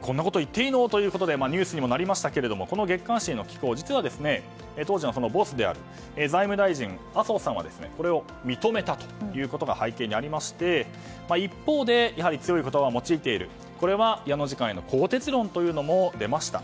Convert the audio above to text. こんなこと言っていいのということでニュースになりましたが月刊誌への寄稿当時のボスである財務大臣麻生さんはこれを認めたということが背景にあって一方、やはり強い言葉を用いているこれは矢野次官への更迭論も出ました。